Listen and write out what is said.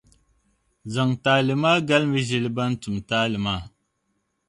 zaŋ taali maa galimi ʒili bɛn tum taali maa.